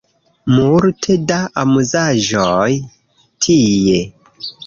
Multe da amuzaĵoj tie